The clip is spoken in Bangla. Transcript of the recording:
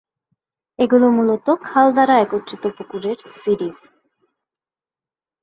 এগুলো মূলত খাল দ্বারা একত্রিত পুকুরের সিরিজ।